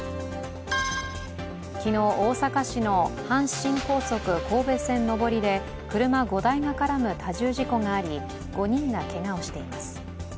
昨日、大阪市の阪神高速神戸線上りで車５台が絡む多重事故があり、５人がけがをしています。